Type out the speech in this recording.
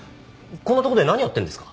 こんなところで何やってるんですか？